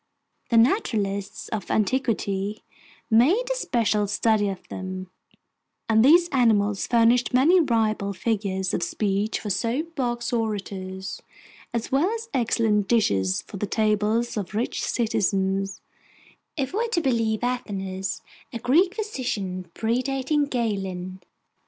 The naturalists of antiquity made a special study of them, and these animals furnished many ribald figures of speech for soapbox orators in the Greek marketplace, as well as excellent dishes for the tables of rich citizens, if we're to believe Athenaeus, a Greek physician predating Galen.